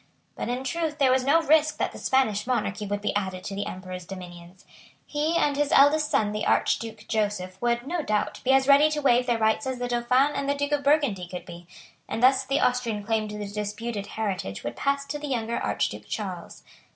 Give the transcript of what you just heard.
But in truth there was no risk that the Spanish monarchy would be added to the Emperor's dominions. He and his eldest son the Archduke Joseph would, no doubt, be as ready to waive their rights as the Dauphin and the Duke of Burgundy could be; and thus the Austrian claim to the disputed heritage would pass to the younger Archduke Charles.